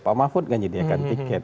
pak mahfud nggak menyediakan tiket